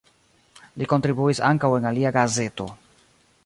Li kontribuis ankaŭ en alia gazeto.